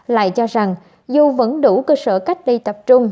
lại cho rằng dù vẫn đủ cơ sở cách ly tập trung